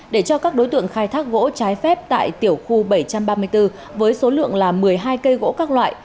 để cho các đối tượng khai thác gỗ trái phép tại tiểu khu bảy trăm ba mươi bốn với số lượng là một mươi hai cây gỗ các loại